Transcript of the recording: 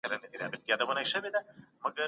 زړې ژبې پر قدامت وياړ نه کوي.